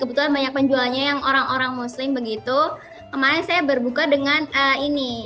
kebetulan banyak penjualnya yang orang orang muslim begitu kemarin saya berbuka dengan ini